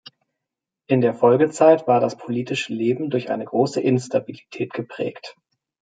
In der Folgezeit war das politische Leben durch eine große Instabilität geprägt.